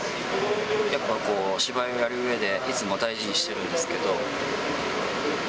やっぱりこう、芝居をやるうえで、いつも大事にしてるんですけど。